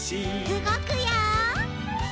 うごくよ！